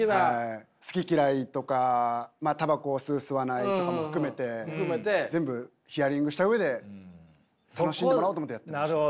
好き嫌いとかタバコを吸う吸わないとかも含めて全部ヒアリングした上で楽しんでもらおうと思ってやってました。